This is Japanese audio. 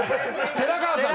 寺川さん